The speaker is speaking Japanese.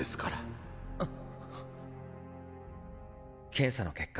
検査の結果